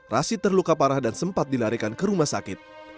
rashid terluka parah dan sempat dilarikan ke rumah sakit